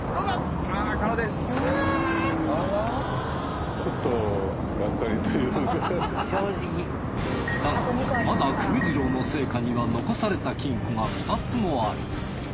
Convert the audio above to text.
だがまだ久米次郎の生家には残された金庫が２つもある。